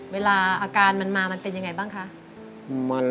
เวลาอาการมันมามันเป็นยังไงบ้างคะ